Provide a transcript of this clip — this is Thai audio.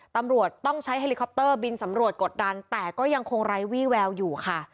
ตำรวจต้องใช้เฮลิคอปเตอร์บินสำรวจกดดันแต่ก็ยังคงไร้วี่แววอยู่ค่ะ